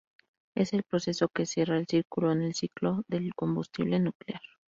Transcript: Es el proceso que cierra el círculo en el ciclo del combustible nuclear.